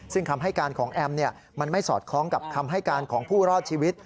ซึ่งคำให้การของแอมมันไม่สอดคล้องกับคำให้การของผู้รอดชีวิต